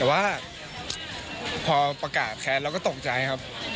แต่ว่าพอประกาศแค้นเราก็ตกใจครับ